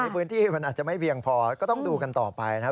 พื้นที่มันอาจจะไม่เพียงพอก็ต้องดูกันต่อไปนะครับ